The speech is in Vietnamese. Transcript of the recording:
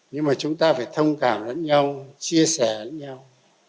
nhưng mà chúng ta phải thông cảm lẫn nhau chia sẻ lẫn nhau